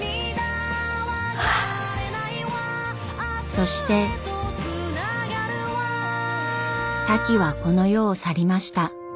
そしてタキはこの世を去りました。